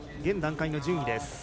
現段階の順位です。